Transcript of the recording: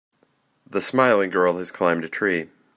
The smiling girl has climbed a tree.